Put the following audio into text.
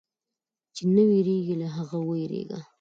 چې نه وېرېږي، له هغه وېرېږه.